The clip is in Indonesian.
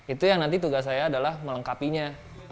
itu yang nanti tugas saya adalah melengkapinya